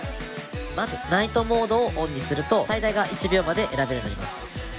まずナイトモードをＯＮにすると最大が１秒まで選べるようになります。